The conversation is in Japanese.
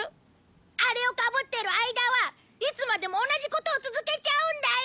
あれをかぶってる間はいつまでも同じことを続けちゃうんだよ！